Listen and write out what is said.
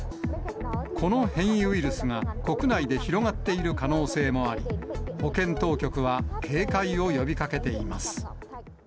この変異ウイルスが、国内で広がっている可能性もあり、保健当局は警戒を呼びかけています。